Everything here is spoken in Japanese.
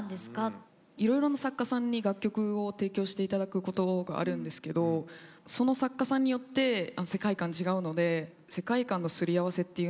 いろいろな作家さんに楽曲を提供していただくことがあるんですけどその作家さんによって世界観違うので世界観のすり合わせっていうんですかね。